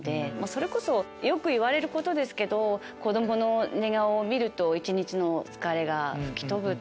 それこそよく言われることですけど「子供の寝顔を見ると一日の疲れが吹き飛ぶ」。